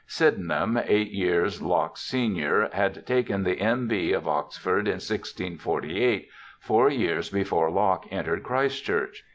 Syden ham, eight years Locke's senior, had taken the M.B. of Oxford in 1648, four years before Locke entered Christ Church.